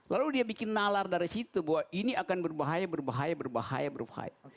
lalu dia bikin nalar dari situ bahwa ini akan berbahaya berbahaya berbahaya berbahaya